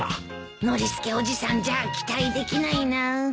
ノリスケおじさんじゃ期待できないな。